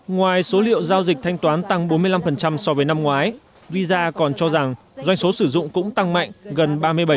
ngoài số liệu giao dịch thanh toán tăng bốn mươi năm so với năm ngoái visa còn cho rằng doanh số sử dụng cũng tăng mạnh gần ba mươi bảy